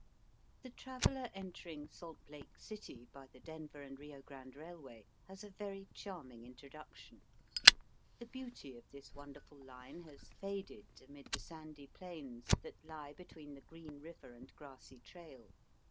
The traveller entering Salt Lake City by the Denver and Eio Grande Eailway has a very charming introduction. The beauty of this wonderful line has faded amid the sandy plains that lie between the Green Eiver and Grassy Trail.